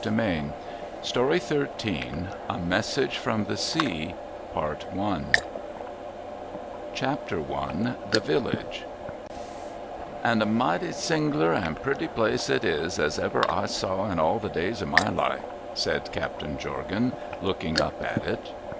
A MESSAGE FROM THE SEA [i860] A MESSAGE FROM THE SEA CHAPTER I THE VILLAGE ' And a mighty sing'lar and pretty place it is, as ever I saw in all the days of my life !' said Captain Jorgan, looking up at it.